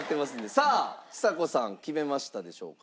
さあちさ子さん決めましたでしょうか？